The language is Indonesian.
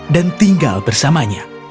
dan tinggal bersamanya